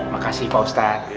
makasih pak ustadz